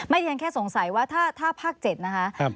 ไม่ได้ยังแค่สงสัยว่าถ้าภาค๗นะคะ